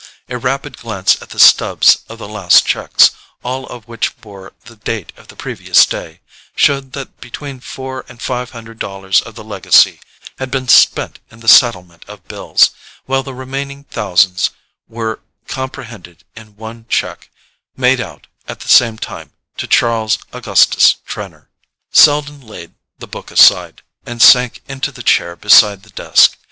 A rapid glance at the stubs of the last cheques, all of which bore the date of the previous day, showed that between four or five hundred dollars of the legacy had been spent in the settlement of bills, while the remaining thousands were comprehended in one cheque, made out, at the same time, to Charles Augustus Trenor. Selden laid the book aside, and sank into the chair beside the desk.